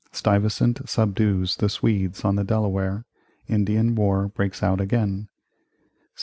Stuyvesant subdues the Swedes on the Delaware Indian war breaks out again 1664.